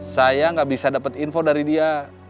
saya gak bisa dapet info dari dia